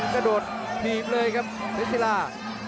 กระโดดผีบเลยครับภูเซลลา